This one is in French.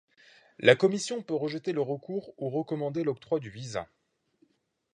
La commission peut rejeter le recours ou recommander l'octroi du visa.